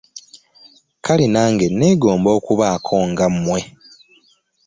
Kale nange neegomba okubaako nga ggwe.